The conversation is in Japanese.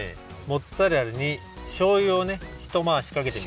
モッツァレラにしょうゆをねひとまわしかけてみて。